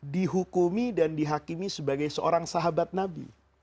dihukumi dan dihakimi sebagai seorang sahabat nabi